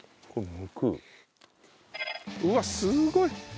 うわっすっごい！